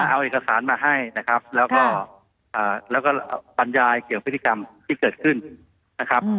เอาเอกสารมาให้นะครับแล้วก็บรรยายเกี่ยวพฤติกรรมที่เกิดขึ้นนะครับ